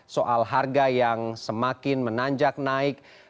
soal harga yang semakin menanjak naik